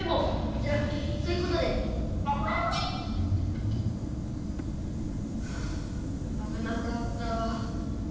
じゃそういうことで！はああぶなかった。